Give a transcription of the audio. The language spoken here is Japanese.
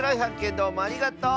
どうもありがとう！